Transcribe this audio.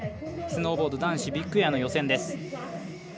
スノーボード男子ビッグエアの予選です。